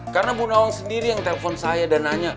karena bu nawang sendiri yang telepon saya dan nanya